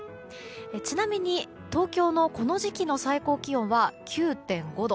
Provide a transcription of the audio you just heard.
ちなみに、東京のこの時期の最高気温は９．５度。